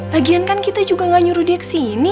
lagian kan kita juga gak nyuruh dia kesini